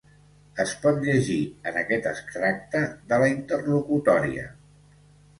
Es pot llegir en aquest extracte de la interlocutòria.